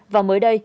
và mới đây